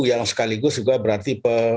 yang sekaligus juga berarti